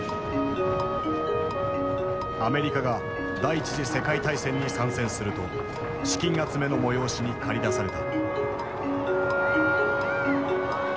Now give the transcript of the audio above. アメリカが第一次世界大戦に参戦すると資金集めの催しに駆り出された。